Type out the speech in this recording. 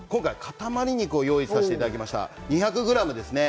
今回、豚の塊肉を用意させていただきました、２００ｇです。